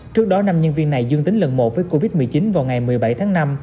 trước đó năm nhân viên này dương tính lần một với covid một mươi chín vào ngày một mươi bảy tháng năm